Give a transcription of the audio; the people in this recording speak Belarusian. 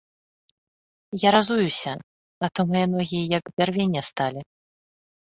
Я разуюся, а то мае ногі як бярвенне сталі.